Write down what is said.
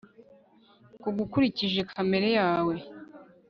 Kugwa ukurikije kamere yawe